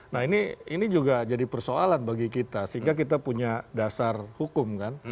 nah ini juga jadi persoalan bagi kita sehingga kita punya dasar hukum kan